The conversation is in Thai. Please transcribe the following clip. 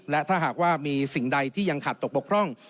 และถ้าหากว่ามีสิ่งใดที่ยังขาดตกบกพร่อง